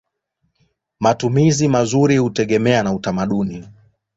Matumizi mazuri hutegemea na utamaduni.